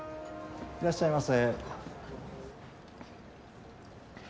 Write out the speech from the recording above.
いらっしゃいませ。